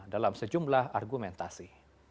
dalam sejumlah argumentasi